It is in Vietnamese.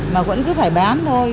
mà vẫn cứ phải bán thôi